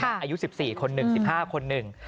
อายุ๑๔คนหนึ่ง๑๕คนหนึ่ง